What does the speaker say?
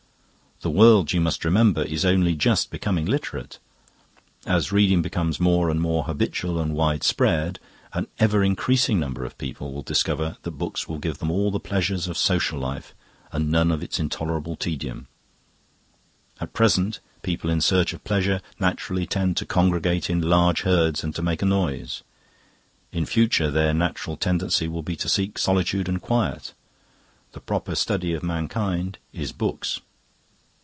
The world, you must remember, is only just becoming literate. As reading becomes more and more habitual and widespread, an ever increasing number of people will discover that books will give them all the pleasures of social life and none of its intolerable tedium. At present people in search of pleasure naturally tend to congregate in large herds and to make a noise; in future their natural tendency will be to seek solitude and quiet. The proper study of mankind is books."